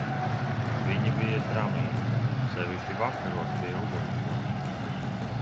Viņi bija tramīgi, sevišķi vakaros pie ugunskura.